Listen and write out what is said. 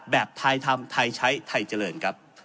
ไทยทำไทยใช้ไทยเจริญครับ